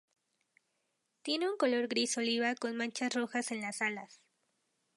Tiene un color gris-oliva con manchas rojas en las alas.